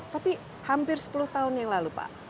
tapi hampir sepuluh tahun yang lalu pak